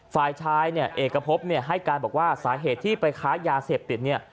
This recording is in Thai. ฝ่ายใช้เอกกระพบให้การบอกว่าสาเหตุที่ไปค้ายาเสพติดเนี่ย